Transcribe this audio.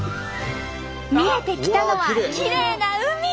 見えてきたのはきれいな海！